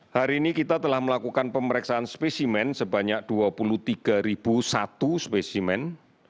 hari ini kita telah melakukan pemeriksaan spesimen sebanyak dua puluh tiga satu spesimen